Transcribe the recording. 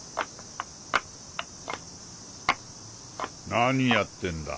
何やってんだ？